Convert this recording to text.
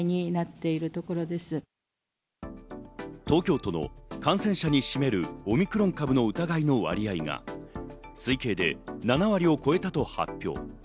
東京都の感染者に占めるオミクロン株の疑いの割合が推計で７割を超えたと発表。